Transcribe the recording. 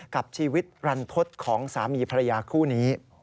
กับชีวิตรันทศของสามีภรรยาคู่นี้